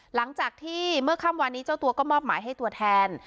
หลังจากที่เมื่อค่ำวานนี้เจ้าตัวก็มอบหมายให้ตัวแทน